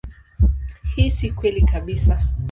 Hii si kweli kabisa.